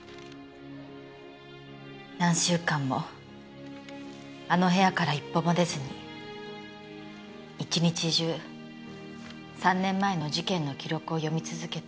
何週間もあの部屋から一歩も出ずに一日中３年前の事件の記録を読み続けた。